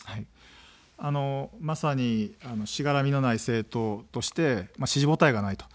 まさに、しがらみのない政党として、支持母体がないと。